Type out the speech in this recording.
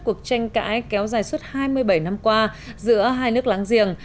cuộc tranh cãi kéo dài suốt hai mươi bảy năm qua giữa hai nước láng giềng